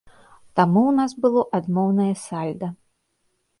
Таму ў нас было адмоўнае сальда.